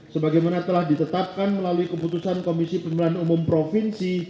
sebagaimana telah ditetapkan melalui keputusan komisi pemilihan umum provinsi